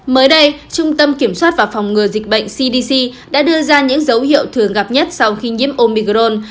mới đây trung tâm kiểm soát và phòng ngừa dịch bệnh cdc đã đưa ra những dấu hiệu thường gặp nhất sau khi nhiễm omicron